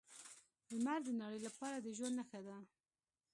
لمر د نړۍ لپاره د ژوند نښه ده.